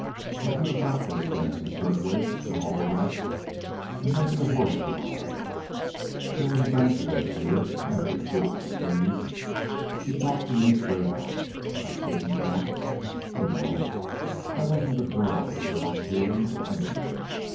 I could have got those fancy shirtwaists... an' all the rest... and maybe a horse to ride. There was a bank cashier... married, too, if you please. He talked to me straight out. I didn't count, you know. I wasn't a girl, with a girl's feelings, or anything.